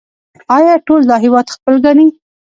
آیا ټول دا هیواد خپل ګڼي؟